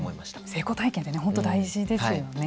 成功体験は本当に大事ですよね。